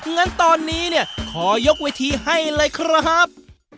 งั้นตอนนี้เนี่ยขอยกเวทีให้เลยครับ